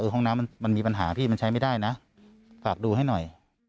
ห้องน้ำมันมีปัญหาพี่มันใช้ไม่ได้นะฝากดูให้หน่อย